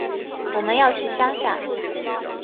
我们要去乡下